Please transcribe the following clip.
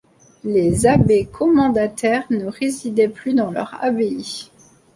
Les abbés commendataires ne résidaient plus dans leur abbaye.